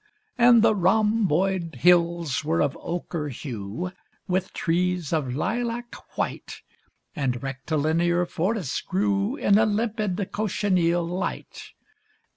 And the rhomboid hills were of ochre hue With trees of lilac white, And rectilinear forests grew In a limpid cochineal light.